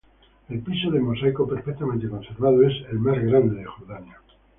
El piso de mosaico perfectamente conservado es el más grande de Jordania.